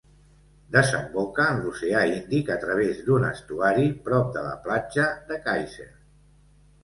Desemboca en l'Oceà Índic a través d'un estuari prop de la platja de Kayser.